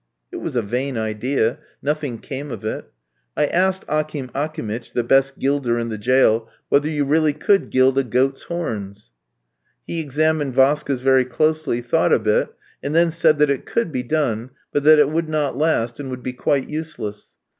It was a vain idea; nothing came of it. I asked Akim Akimitch, the best gilder in the jail, whether you really could gild a goat's horns. He examined Vaska's quite closely, thought a bit, and then said that it could be done, but that it would not last, and would be quite useless.